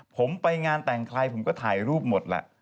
ผมไปงานแต่งใครผมก็ถ่ายรูปหมดแหละ